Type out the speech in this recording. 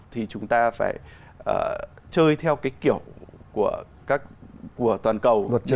thì chúng ta phải chơi theo cái kiểu của toàn cầu